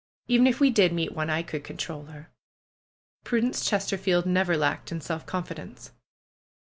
Even if we did meet one, I could control her." Prudence Chesterfield never lacked in self confidence.